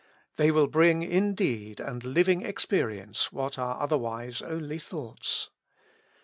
They will bring in deed and living experience what are otherwise only thoughts.